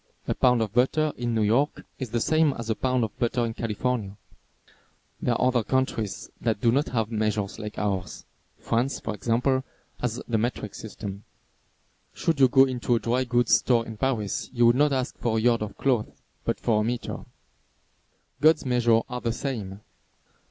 A pound of butter in New York is the same as a pound of butter in California. There are other countries that do not have measures like ours. France, for example, has the metric system. Should you go into a dry goods store in Paris you would not ask for a yard of cloth, but for a meter. God's measures are the same.